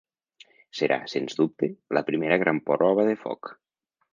Serà, sens dubte, la primera gran prova de foc.